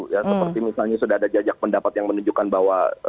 ya seperti misalnya sudah ada jajak pendapat yang menunjukkan bahwa